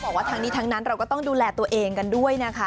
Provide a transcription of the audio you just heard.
บอกว่าทั้งนี้ทั้งนั้นเราก็ต้องดูแลตัวเองกันด้วยนะคะ